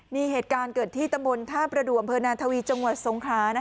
มีเหตุการณ์เกิดที่ตะบนท่าประดวมเผอร์นาทวีจังหวัดทรงคลา